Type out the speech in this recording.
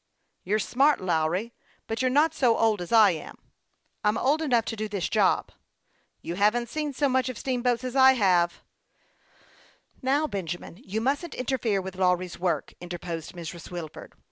" You're smart, Lawry ; but you're not so old as I am." " I'm old enough to do this job." " You haven't seen so much of steamboats as I have." 124 HASTE AND WASTE, OR " Now, Benjamin, you musn't interfere with Law ry's work," interposed Mrs. Wilford.